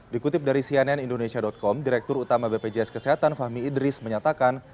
dikutip dari cnn indonesia com direktur utama bpjs kesehatan fahmi idris menyatakan